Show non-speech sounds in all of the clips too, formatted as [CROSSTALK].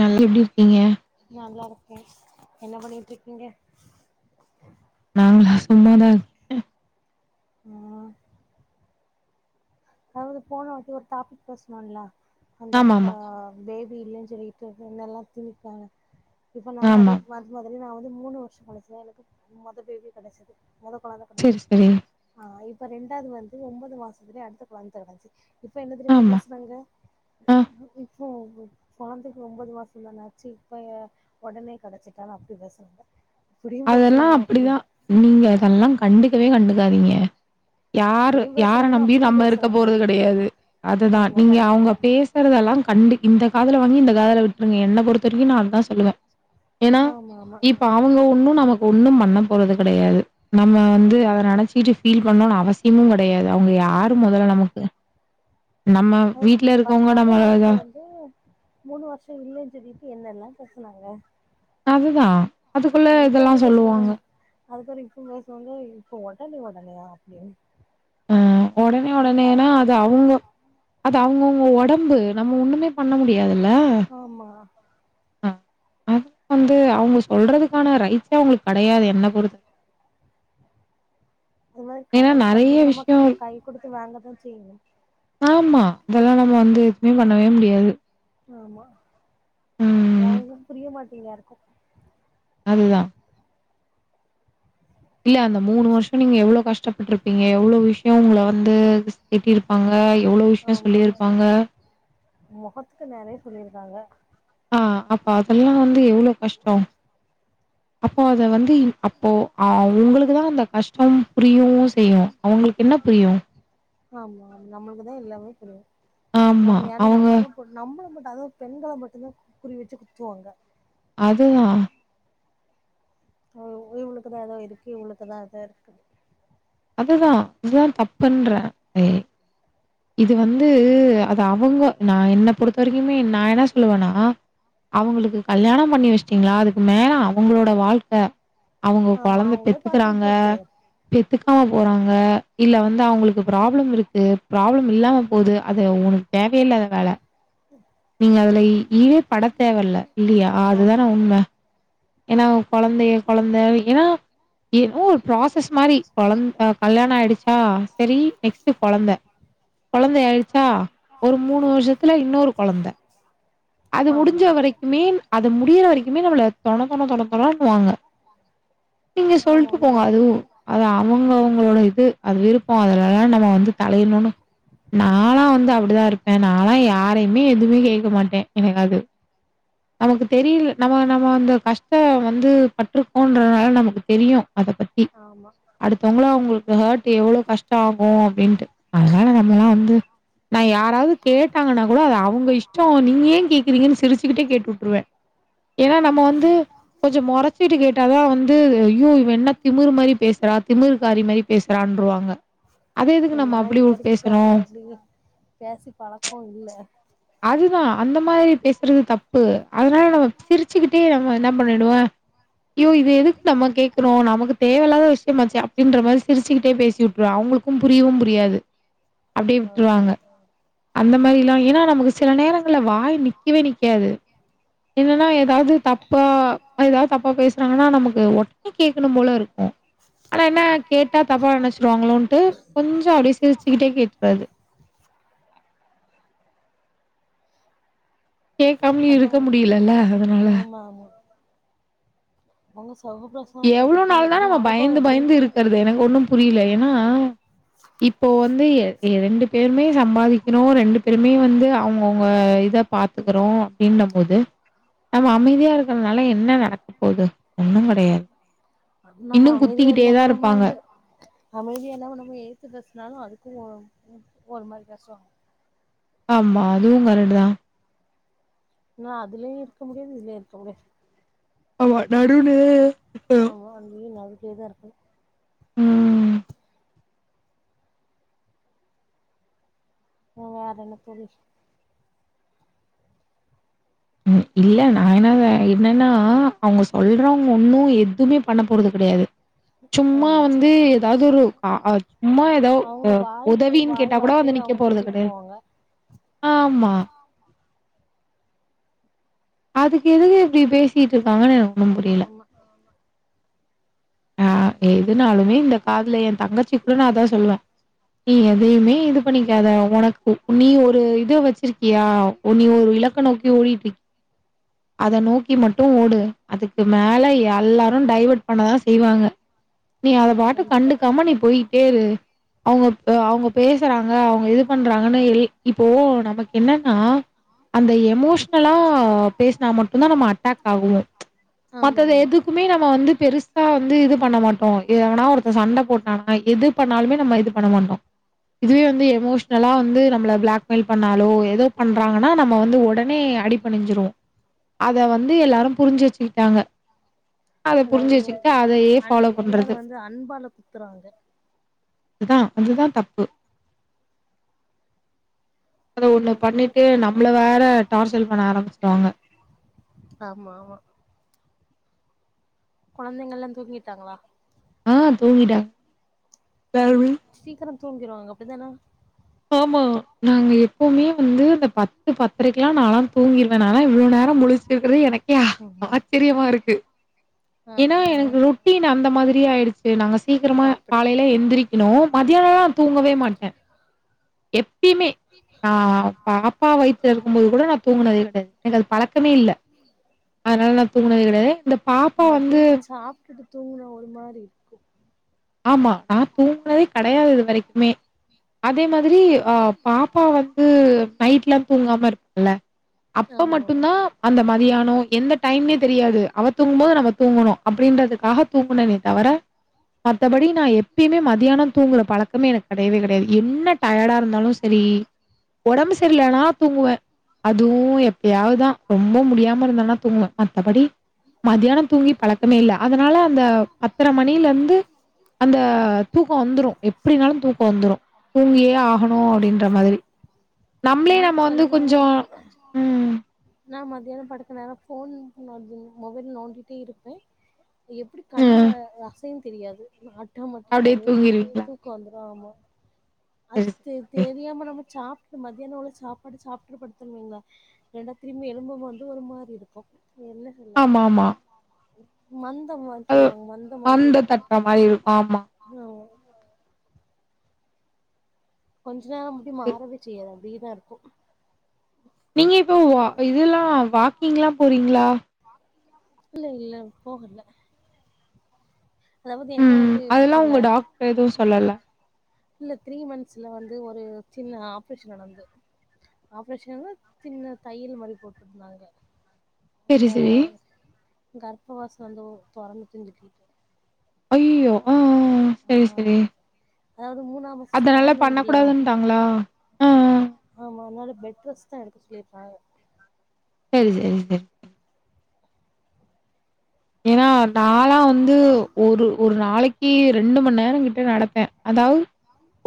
நல்ல எப்டி இருக்கீங்க நல்லா இருக்கே என்ன பண்ணிட்டு இருக்கீங்க நாங்களா சும்மாதா இரு உ அதாவது போன வாட்டி ஒரு டாபிக் பேசுனோல்ல அந்தக்கா ஆமாமா, இல்லேனு சொல்லிட்டு என்னெல்லா கிழிப்பாங்க இப்ப நா ஆமா. அதே நா வந்து மூனு வருஷோ கழுச்சுதா எனக்கு மொத பேபி கெடச்சது மொதக்கொழந்த கடைசி சரி, சரி. [UNINTELLIGIBLE] ஆ இண்டாவது வந்து ஒன்பது மாசத்லே அடுத்த வ தரு வசி [UNINTELLIGIBLE] இப்ப என்ன தெரியுமா ஆமா. பேசுனாங்க ஆ கொழந்தைக்கு ஒம்பது மாசந்தானா ஆச்சு இப்ப உடனே கெடைச்சுட்டாலு அப்டி பேசுவாங்க அதெல்லா அப்டிதா நீங்க அதெல்லா கண்டுக்கவே கண்டுக்காதீங்க யாரு இப்டியு யார பேசுறாங்க நம்பியு அப்டியு நம்ம இருக்க பேசுறாங்க போறது கெடயாது அதுதா ஆமா நீங்க அவுங்க கண்டிப்பா பேசுறதெல்லா கண்டு இந்த காதுல வாங்கி இந்த காதுல விட்ருங்க என்ன பொறுத்த வரைக்கு நா அதுதா சொல்லுவே ஏன்னா ஆமா ஆமா இப்ப அவுங்க ஒன்னு நமக்கு ஒன்னு பண்ண போறது கெடயாது நம்ம வந்து அத நெனச்சீட்டு பீல் பண்ணனு அவசியமும் கெடயாது அவுங்க யாரு மொதல்ல நமக்கு நம்ம வீட்ல அ இருக்கவங்க மொதல் நம்மள வார்த்தை வந்து மூனு வருஷோ இல்லைன்னு சொல்லிட்டு என்னெல்லா பேசுனாங்க அதுதா இப்ப என்ன பேசுனாங்க அதுக்காண்டி இப்பவு பேசுவாங்க இப்போ ஒடனே ஒடனேயா அப்டினு அ உடனே உடனேனா அது அவங்க அது அவங்கவுங்க ஒடம்பு நம்ம ஒண்ணுமே பண்ண முடியா துல்ல ஆமா ஆ அ அது வந்து அவங்க சொல்றதுக்கான ரைட்சே அவங்களுக்கு கெடையாது என்ன பொறுத்த அது மாரி ஏன்னா கடவுள் நெறைய தந்தீரமா விஷயம் கை கொடுத் வாங்கதா செய்ணு ஆமா வேலநம்ம வந்து இனி பன்னவே முடியாது ஆமா அது ம். அவங்களுக்கு புரிய மாட் எல்லாருக்கு அதுதா இல்ல அந்த மூணு வருஷோ நீங்க எவ்ளோ கஷ் பட்டிருப்பீங்க எவ்ளோ விஷயோ உங்கள வந்து திட்டிருப்பாங்க எவ்ளோ விஷயோ சொல்லிருப்பாங்க முகத்துக்கு நேராவே சொல்லிருக்காங்க ஆ அப்ப அதெல்லா வந்து எவ்வள கஷ்டோ அப்போ அத வந்து அப்போ ஆ உங்களுக்குதா அந்த கஷ்டோ புரியவு செய்யு அவங்களுக்கு என்ன புரியு ஆமாம் நம்மளுக்குதா எல்லாமே தெரியு ஆமா. நம்ம யார்னா அவங்க நம்மளதா போட் நம்மள அதுவு பெண்கள மட்டுமே குறி வச்சு குத்துவாங்க அதுதா இவளுக்குதா ஏதோ இருக்கு இவளுக்குதா ஏதோ இருக்குது அதுதா இதுதா தப்புன்றே ஏ இது வந்து அது அவங்க நா என்ன பொறுத்த வரைக்குமே நா என்ன சொல்லுவேனா அவங்களுக்கு கல்யானோ பண்ணி வச்சுட்டீங்களா அதுக்கு மேல அவங்களோட வாழ்க்க அவங்க ஆமா கொழந்த அவங்களே பாத்துட்டு பெத்துக்கறாங்க போட்டு பெத்துக்காம போறாங்க இல்ல வந்து தா அவங்களுக்கு ப்ராப்ளம் இருக்கு ப்ராப்ளம் இல்லாம போது அது உனக்கு தேவையில்லாத வேல நீங்க அதுல ஈடே படக் தேவல்ல இல்லையா ஆமா அதுதான ஆமா உண்ம ஏன்னா அவ கொழந்தைய கொழந்த வைக்கிறா ஏ ஊ ப்ராசஸ் மாரி குழந் அ கல்யாண ஆகியிடுச்சு ஆ சேரி நெக்ஸ்டு கொழந்த கொழந்தைய ஆயிருச்சா ஒரு மூணு வருஷத்துல இன்னொரு கொழந்த அது ஆமா முடிஞ்ச வரைக்குமே அது முடியற வரைக்குமே நம்மள தொண தொண தொண தொணனுவாங்க நீங்க ஆமா சொல்ட்டு போங்க உண்மைதான் அதுவும் அத அவங்க அவங்களோட இது அது விருப்பம் அதுலல்லா நம்ம வந்து தலையணும்னு நானலா வந்து அப்படிதா இருப்பே நானல்லா யாரையுமே எதுவுமே கேட்க மாட்டே எனக்கு அது நமக்கு தெரியல நம்ம நம்ம அந்த கஷ்ட வந்து பட்டிருக்கோன்றதுனால நமக்கு தெரியு அத பத்தி ஆமா அடுத்தவங்கள அவங் ஒருத்தர் ஹார்ட் எவ்வளவு கஷ்ட ஆகும் அப்படின்ட்டு அதனால நம்மல்லா வந்து நா யாராவது கேட்டாங்கன்னா கூட அது அவங்க இஷ்ட நீ கேக்குறீங்கன்னு சிரிச்சுக்கிட்டே கேட்டு விட்டுருவே ஏன்னா நம்ம வந்து கொஞ்ச முறைச்சுட்டு கேட்டாதா வந்து ஐயோ இவ என்ன திமிர் மாதிரி பேசுறா திமிரு காரி மாரி பேசுறான்ருவாங்க அத எதுக்கு நம்ம நா அப்படி இது ஓ வரைக்கும் பேசணு அந்த அப்படி பேசி பழக்கம் இல்ல அதுதா அந்த மாதிரி பேசுறது தப்பு அதனால நம்ம சிரிச்சுக்கிட்டே நம்ம என்ன பண்ணிடுவே ஐயோ இது எதுக்கு நம்ம கேட்குரோ நமக்கு தேவையில்லாத விஷயம்மாச்சே அப்படின்ற மாரி சிரிச்சுக்கிட்டே பேசி விட்டுரு அவங்களுக்கும் புரியவும் புரியாது அப்படியே ஆ, விட்டுருவாங்க அந்த மாரில்லா ஏன்னா நமக்கு சில நேரங்கள்ல வாய் நிக்கவே நிக்காது என்னன்னா ஏதாவது தப்பா ஏதாவது தப்பா பேசுறாங்கன்னா நமக்கு உடனே கேட்கணும் போல இருக்கு ஆனா என்ன கேட்டா தப்பா நினைச்சிருவாங்களோன்ட்டு கொஞ்ச அப்படியே சிரிச்சுக்கிட்டே கே அது கேட்காமலேயும் அதான் இருக்க முடியலல்ல அதனால ஆமா ஆமா [UNINTELLIGIBLE] எவ்ளோ பத்தி நாள் தா உங்க நம்ம அனுபவம் பயந்து எப்படி பயந்து இருக்கிறது எனக்கு ஒண்ணு புரியல ஏன்னா இப்போ வந்து ரெண்டு பேருமே சம்பாதிக்கிறோ ரெண்டு பேருமே வந்து அவங்கவுங்க இத பாத்துக்கறோ அப்படின்ற போது நம்ம அமைதியா இருக்கிறதுனால என்ன நடக்க போகுது ஒன்னு கிடையாது நம்ம அமைதியா இல்லாம நம்ம இருப்பாங்க. வந்து அமைதியா இல்லாம நம்ம ஏகுத்து பேசுனாலு அது அப்பவு ஒரு மாரி பேசுவா ஆமா அதுவும் கரண்டு தா நா அதுலயும் இருக்க முடியாது இதுலயும் இருக்க முடியாது ஆமா நடுநிலையா ஆமா [UNINTELLIGIBLE] கேதா இருக்கு ம் ம் வேற என்ன தோழி ம் இல்ல நான் என்னால என்னன்னா அவுங்க சொல்றவங்க ஒண்ணும் எதுமே பண்ண போறது கிடையாது சும்மா ஆமா வந்து எதாவது ஒரு ஆ ஆ சும்மா எதா ஒ அவங்க வாய்க்கு உதவின் வாய் கேட்டா கூட வந்து வார்த்தையு நிக்க அவங்க போறது சொல்லிட்டு கிடையா போவாங்க ஆமா அது இது எப்படி பேசிட்டு இருக்காங்கன்னு எனக்கு ஒண்ணும் புரியல ஆமா ஆ எதுனாலுமே இந்த காதுல என் தங்கச்சி கூட நா அதான் சொல்லுவேன் நீ எதையுமே இது பண்ணிக்காத ஒனக்கு நீ ஒரு இது வச்சிருக்கியா நீ ஒரு இலக்க நோக்கி ஓடிட்டு இருக் அத நோக்கி மட்டும் ஓடு அதுக்கு மேல யார் எல்லாரும் டைவேர்ட் பண்ணதான் செய்வாங்க நீ அத ஆமா பாட்டு கண்டிப்பா கண்டுக்காம நீ போயிட்டே இரு அவுங்க இப்ப அவுங்க பேசறாங்க அவுங்க இது பண்றாங்கன்னு எல் இப்போ நமக்கு என்னன்னா அந்த எமோஷ் இப்போ எமோஷ்னலா பேசினா மட்டும்தான் நம்ம அட்டாக் ஆகுவும் ஆமா மத்தது ஆமா எதுக்குமே நம்ம வந்து பெருசா வந்து இது பண்ண மாட் டோம் எவனா ஒருத்த சண்ட போட்டானா எது பண்ணாலுமே நம்ம இது பண்ண மாட்டோம் இதுவே வந்து எமோஷ்னல்லா வந்து நம்பள பிளாக்மெயில் பண்ணாலோ எது பண்ணா பன்றாங்கன்னா நம்ம வந்து ஒடனே அடி பணிஞ்சிருவோம் அத வந்து எல்லாரும் புரிஞ்சு வச்சுட்டாங்க அத புரிஞ்சி அதாவது வச்சிக்கிட்டு அதையே அன் ஃபாலோ எல்லாரு பண்றது வந்து அன்பால குத்துறாங்க அதான் அதுதான் தப்பு அத ஒண்ணு ஐயோ ஐயோ பண்ணிட்டு நம்பள வேற டார்ச்சல் பண்ண ஆரம்பிச்சி ஆமா ஆமா குழந்தைங்க எல்லாம் தூங்கிட்டாங்களா ஆ தூங்கிட்டா ம் சீக்கிரம் தூங்கிருவாங்க அப்டித்தான ஆமா நாங்க எப்பவுமே வந்து அந்த பத்து பத்திரக்குல்லாம் நாளாம் தூங்கிரு நாலா இவ்ளோ நேரம் முழிச்சு இருக்கறது எனக்கே ம் ஆச்சரியமா இருக்கு ஆ ஏன்னா எனக்கு ரொட்டீன் அந்த மாதிரியே ஆயிடுச்சு நாங்க சீக்கிரமா ஆ அப்டி காலையில எந்திரிக்குணும் மத்தியானலாம் தூங்கவே மாட்டேன் எப் எப்பியுமே ஆ பாப்பா வயித்துல இருக்கும் மோது கூட நான் தூங்கனதே கெடையாது எனக்கு பழக்கமே இல்ல அதுனால நான் தூங்கினதே கெடையாது இந்த பாப்பா வந்து மத்தியானம் சாப்புட்டுட்டு தூங்குனா ஒரு மாரி இருக்கு ஆமா நா தூங்குனதே கிடையாது இது வரைக்குமே அதே மாதிரி ஆ பாப்பா வந்து நைட்லா தூங்காம வர்க்குல அப்ப ஆமா ஆமா மட்டுந்தா அந்த மதியானோ எந்த டைம்னே தெரியாது அவ தூங்கும்போது நம்ம தூங்கணு அப்டின்றதுக்காக தூங்குணனே தவர மத்தபடி நா எப்பயுமே மத்தியானோ தூங்குற பழக்கமே எனக்கு கெடையவே கெடையாது என்ன டயர்டா இருந்தாலு செரி ஒடம்பு சரியலனா தூங்குவே அதுவு எப்பயாவ்தா ரொம்ப முடியாம இருந்தேனா தூங்குவே மத்தபடி மதியானோ தூங்கி பழக்கமே இல்ல அதனால அந்த பத்தர மணிலருந்து அந்த தூக்கோ வந்துரு எப்டினாலு தூக்கோ வந்துரு தூங்கியே ஆகணு அப்டின்ற மாதிரி நம்ளே நா நம்ம வந்து செல நேரோ கொஞ்சோ உ நா மத்யானோ படுக்க நேரோ ஃபோன் மொபைல் நோண்டிட்டே இருப்பே எப்டி அ கண் அசையு தெரியாது ஆமாக் அப்டியே காவே தூங்கிருவீங்களா? தூக்கோ வந்துரு ஆமா அது சரி, தெ சரி. தெரியாம நம்ம சாப் [UNINTELLIGIBLE] மத்யானோ உள்ள சாப்பாட சாப்ட்டு படுத்தேனுவைங்க ரெண்டாத்திரும்ப எலும்பம்போது ஒரு மாரி இருக்கு என்ன சொல்ல ஆமாமா. [INAUDIBLE] மந் த மாரி அது சொல்லுவாங்க மந்த மாரி அந்த இருக்கு தட்டுற மாரி இருக்கும். ஆமா. ஆ கொஞ் ஜ அப்டி மாறவே செய்யாது டிதா இருக்கு நீங்க இப்போ ஓ இதெல்லா வாக் நீங்களா போறீங்களா இல்ல இல்ல போகல அதாவது என்ன ம். வந்து எப்டி அதெல்லாம் உங்க சொல்ல டாக்டர் எதுவும் சொல்லல இல்ல த்ரீ மன்த்ஸ்ல வந்து ஒரு சின்ன ஆப்ரேஷன் நடந்துது ஆப்ரேஷன்னா சின்ன தையல் மாரி போட்ருந்தாங்க. செரி அந்த செரி கர்ப்பவாசோ வந்து தொறந்துட்டு [UNINTELLIGIBLE] ஐய்யய்யோ ஆ ஆ ஆ சரி சரி அதாவது மூணாவது அதநால ஸ்கேன் பண்ண உண்டுல கூடாதுன்டாங்களா ஆ என்னோட பெட் ரெஸ்ட் தா எடுக்க சொல்லிருக்காங்க சேரி சேரி சேரி ஏனா நாளா வந்து ஒரு ஒரு நாளைக் க்கி ரெண்டு மணி நேரங் கிட்ட நடப்பே. அதாவ்து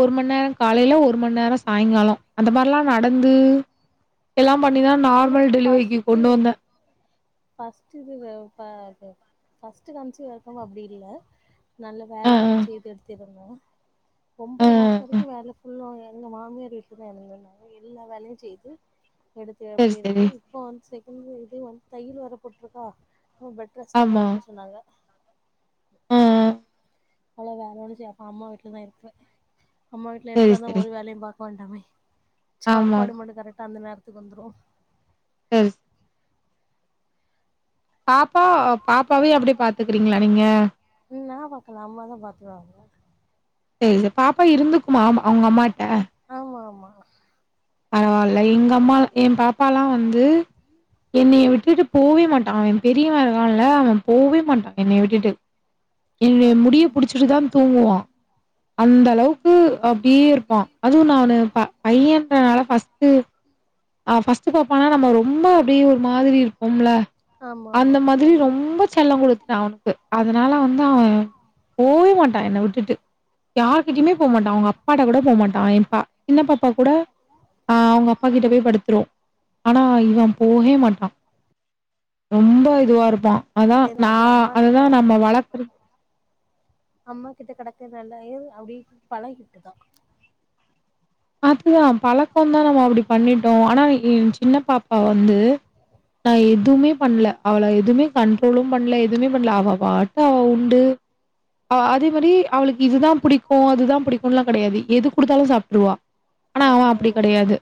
ஒரு மணி நேர காலைல ஒரு மணி நேரோ சாயங்காலோ அந்த மாரிலா நடந்து எல்லா பண்ணிதா ஆனா நார்மல் டெலிவரிக்கி ஃபஸ்ட்டு கொண்டு வந்தே ஃபஸ்ட்டு இதுல ப இது ஃபஸ்ட்டு காமிச்ச வரைக்கவு அப்டி இல்ல. நல்ல அ, வேலை எல்லா செய்து எடுத்திருந்தோ அ, அ, ஒம்பது மாசோ அ. வரைக்கு வேல ஃபுல்லா எங்க மாமியார் வீட்லதா இருந்தே நானு எல்லா வேலையு செய்து எடுத்து எ சரி, த்திருந்தே சரி. இப்ப வந்து செகண்டு இது ஒரு தையல் வேற போட்ருக்கா அவுங் பெட் ரெஸ்ட்லல்லா ஆமா. இருக்க சொன்னாங்க அ, அ. அவ்ளதா அது முடிஞ்சு அ அம்மா வீட்லதா இருப்பே அம்மா வீட்ல சரி, இருந்தாதா சரி. ஒரு வேலையு பாக்க வேண்டாமே ஆமா. சாப்பாடு மட்டு கரெக்டா அந்த நேர த்துக்கு வந்துரு ம் பாப்பா பாப்பாவயு அப்டியே பாத்துக்கறீங்களா நீங்க? ம் நா பாக்கல அம்மாதா பாத்துக்குவாங்க [UNINTELLIGIBLE] பாப்பா இருந்துக்குமா அம் அவங்க அம்மாகிட்ட ஆமா ஆமா பரவால்ல இன் எங்கம்மாவ ஏன் பாப்பால்லா வந்து என்னய வி ட்டுட்டு போவே மாட்டா அவே பெரியவ இருக்கான்ல அவே போவே மாட்டா என்னைய விட்டுட்டு ஆ என்னுடைய ஆ முடிய புடிச்சிட்டுதா தூங்குவா. அந்த அளவுக்கு அப்டியே இருப்பா அதுவு நானு ப பைய ஃபஸ்ட்டு ஆ ஃபஸ்ட்டு பாத்தோன்னா நம்ம ரொம்ப அப்டியே ஒரு மாதிரி இருப்போம்ல ஆமா அந்த ஆமா மாதிரி ரொம்ப செல்லோ குடுத்துட்டே அவனுக்கு. அதனால வந்து அவ போவே மாட்டா என்ன விட்டுட்டு யார் கிட்டயுமே போமாட்டா அவங்க அப்பாட்ட கூட போமாட்டா என் பா சின்ன பாப்பா கூட ஆ அவங்க அப்பா கிட்ட போய் படுத்துரு. ஆனா இவ போவே மாட்டா. ரொம்ப இதுவா இரு தா அதா நா அப்டியே அம்மா கிட்ட அதுதா நம்ம வளக்கறது இது நல்லாயிரு அப்டி பழகிட்டுதா அதுதா பழக்கோ தா நம்மோ அப்டி பண்ணிட்டோ ஆனா ஏ சின்ன பாப்பா வந்து நா எதுமே பண்ல அவள எதுமே கண்ட்ரோலும் பண்லே எதுமே பண்ல அவா பாட்டு அவா உண்டு அவா அதே மாரி அவளுக்கு இதுதா புடிக்கும் அதுதா புடிக்கும் லா கெடையாது எது குடுத்தாலும் சாப்ட்டுருவா ஆனா ஆ அவன் ஆ அப்டி கெடையாது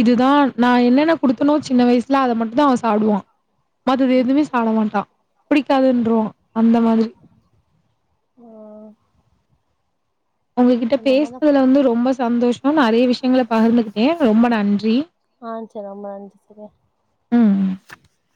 இதுதா நா என்னென்ன குடுத்தனோ சின்ன வயசுல அத மட்டும் தா அவன் சாப்டுவா மத்தது ஆ எதுமே சாப்ட மாட்டா பிடிக்காதுன்றுவ அந்த மாதிரி ஆ உங்ககிட்ட நம்ம தா பேசுனதுல வந்து ரொம்ப சந்தோஷோ நறைய விஷ்யங்கள பகர்ந்து ஆ செரி அம்மா ச சரியா ம்